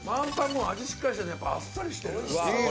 もう味しっかりしててでもあっさりしてる！」